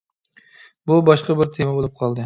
بۇ باشقا بىر تېما بولۇپ قالدى.